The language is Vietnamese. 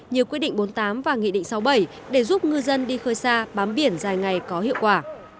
như quy định bốn tám và nghị định sáu bảy để giúp ngư dân đi khơi xa bám biển dài ngày có hiệu quả